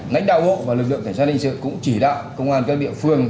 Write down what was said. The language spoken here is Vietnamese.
nánh đạo hộ và lực lượng cảnh sát hình sự cũng chỉ đạo công an các địa phương